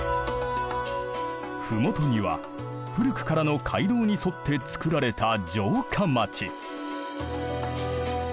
麓には古くからの街道に沿ってつくられた城下町。